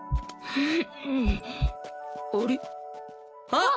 あっ！